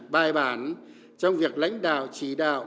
bài bản trong việc lãnh đạo chỉ đạo